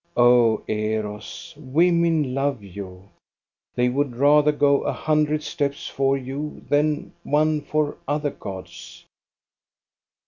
Oh, Eros, women love you. They would rather go a hundred steps for you than one for other gods.